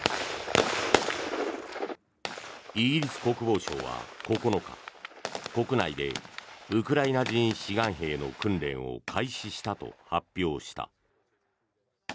イギリス国防省は９日国内でウクライナ人志願兵の訓練を開始したと発表した。